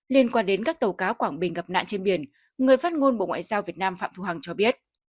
liên quan đến các tàu cá quảng bình gặp nạn trên biển người phát ngôn bộ ngoại giao việt nam phạm thu hằng cho biết